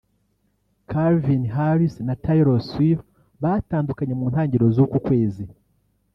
Calvin Harris na Taylor Swift batandukanye mu ntangiriro z’uku kwezi